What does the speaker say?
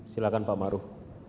silakan pak maruh